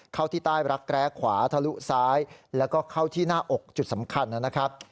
เข้าที่ใต้รักแร้ขวาทะลุซ้ายแล้วก็เข้าที่หน้าอกจุดสำคัญนะครับ